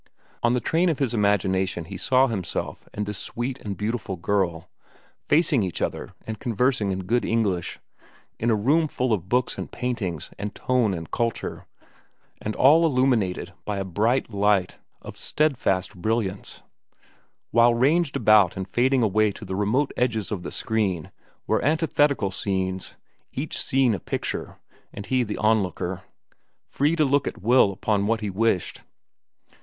On the screen of his imagination he saw himself and this sweet and beautiful girl, facing each other and conversing in good English, in a room of books and paintings and tone and culture, and all illuminated by a bright light of steadfast brilliance; while ranged about and fading away to the remote edges of the screen were antithetical scenes, each scene a picture, and he the onlooker, free to look at will upon what he wished.